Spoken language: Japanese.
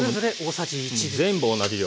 全部同じ量。